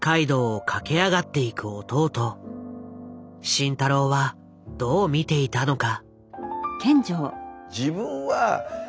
慎太郎はどう見ていたのか。